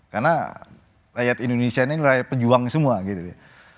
karena layak indonesia ini layak pejuang semua gitu